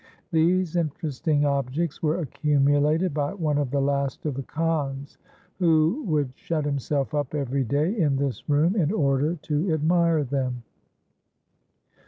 These interesting objects were accumulated by one of the last of the Khans, who would shut himself up every day in this room in order to admire them.